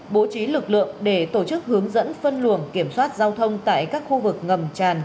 bố trí lực lượng để tổ chức hướng dẫn phân luồng kiểm soát giao thông tại các khu vực ngầm tràn